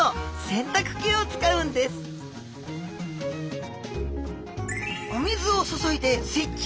お水を注いでスイッチオン！